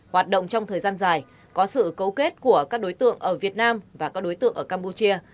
hoạt động trong thời gian dài có sự cấu kết của các đối tượng ở việt nam và các đối tượng ở campuchia